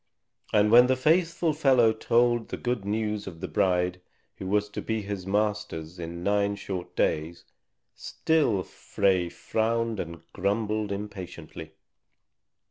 And when the faithful fellow told the good news of the bride who was to be his master's in nine short days, still Frey frowned and grumbled impatiently.